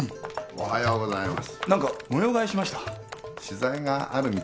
おはようございます。